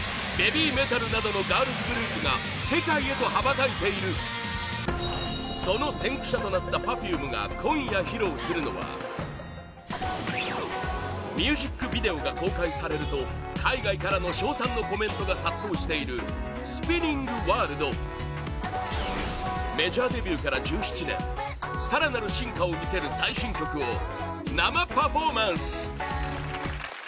ＢＡＢＹＭＥＴＡＬなどのガールズグループが世界へと羽ばたいているその先駆者となったＰｅｒｆｕｍｅが今夜、披露するのはミュージックビデオが公開されると海外から称賛のコメントが殺到している「ＳｐｉｎｎｉｎｇＷｏｒｌｄ」メジャーデビューから１７年更なる進化を見せる最新曲を生パフォーマンス！